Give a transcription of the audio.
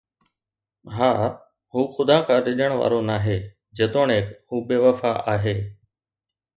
ها، هو خدا کان ڊڄڻ وارو ناهي، جيتوڻيڪ هو بي وفا آهي